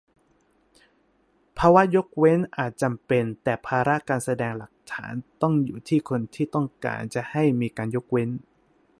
ภาวะยกเว้นอาจจำเป็น แต่ภาระการแสดงหลักฐานต้องอยู่ที่คนที่ต้องการจะให้มีการยกเว้น